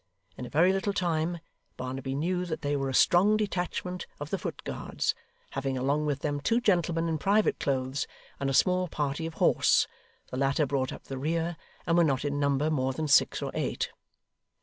In a very little time, Barnaby knew that they were a strong detachment of the Foot Guards, having along with them two gentlemen in private clothes, and a small party of Horse; the latter brought up the rear, and were not in number more than six or eight.